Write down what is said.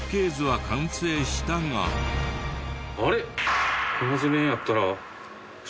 あれ？